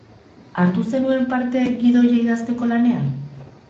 Hartu zenuen parte gidoia idazteko lanean?